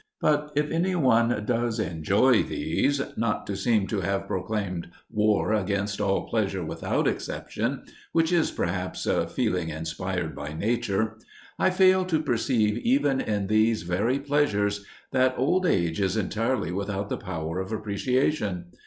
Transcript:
But if anyone does enjoy these not to seem to have proclaimed war against all pleasure without exception, which is perhaps a feeling inspired by nature I fail to perceive even in these very pleasures that old age is entirely without the power of appreciation.